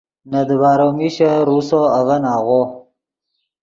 نے دیبارو میشن روسو اڤن آغو